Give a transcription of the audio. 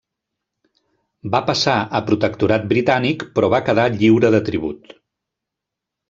Va passar a protectorat britànic però va quedar lliure de tribut.